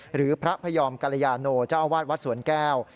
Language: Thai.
หรือพระพยอมกรยาโนเจ้าอาวาสวัดสวนแก้ว